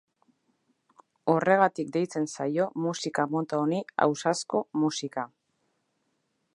Horregatik deitzen zaio musika mota honi ausazko musika.